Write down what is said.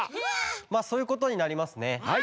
まあそういうことになりますね。